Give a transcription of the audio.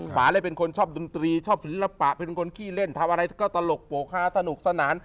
ป่าเลยเป็นคนชอบดนตรีชอบศิลปะเป็นคนขี้เล่นทำอะไรก็ตลกโปรกฮาสนุกสนาน